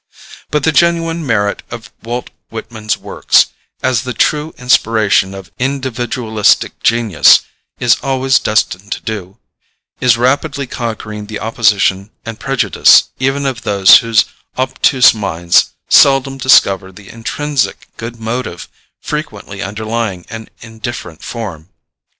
But the genuine merit of Walt Whitman's works, as the true inspiration of individualistic genius is always destined to do, is rapidly conquering the opposition and prejudice even of those whose obtuse minds seldom discover the intrinsic good motive frequently underlying an indifferent form.